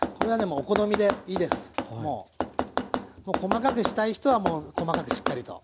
もう細かくしたい人はもう細かくしっかりと。